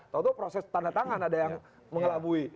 tentu proses tanda tangan ada yang mengelabui